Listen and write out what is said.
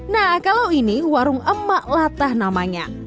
nah kalau ini warung emak latah namanya